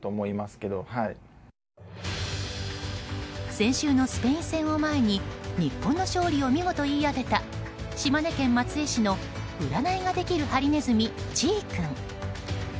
先週のスペイン戦を前に日本の勝利を見事言い当てた、島根県松江市の占いができるハリネズミ、ちぃ君。